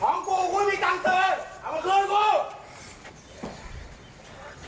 กูกูไม่มีตังค์เจอเอามาคืนกู